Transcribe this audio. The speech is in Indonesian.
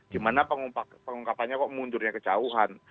gimana pengungkapannya kok mundurnya kejauhan